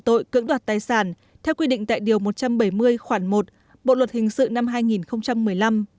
cả năm bị cáo đều bị cưỡng đoạt tài sản theo quy định tại điều một trăm bảy mươi khoản một bộ luật hình sự năm hai nghìn một mươi năm